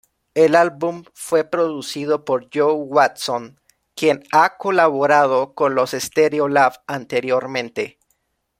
El álbum fue producido por Joe Watson, quien ha colaborado con los Stereolab anteriormente.